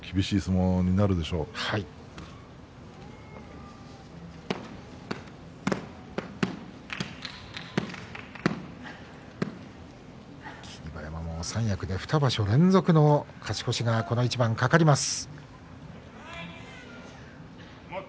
これで霧馬山も三役で２場所連続での勝ち越しがこの一番、懸かります。